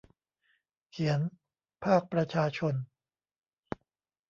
เขียน :'ภาคประชาชน'